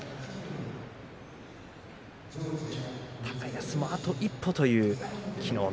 高安もあと一歩という昨日の。